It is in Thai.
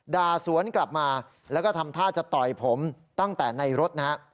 ด่าสวนกลับมาแล้วก็ทำท่าจะต่อยผมตั้งแต่ในรถนะฮะ